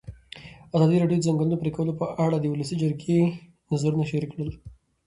ازادي راډیو د د ځنګلونو پرېکول په اړه د ولسي جرګې نظرونه شریک کړي.